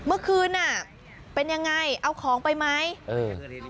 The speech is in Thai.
เมื่อคืนอ่ะเป็นยังไงเอาของไปไหมเออ